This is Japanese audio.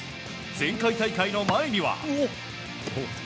前回大会の前には。